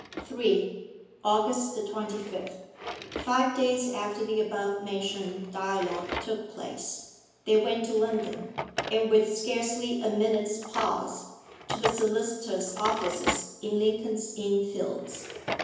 3. AUGUST THE TWENTY FIFTH Five days after the above mentioned dialogue took place they went to London, and, with scarcely a minute's pause, to the solicitors' offices in Lincoln's Inn Fields.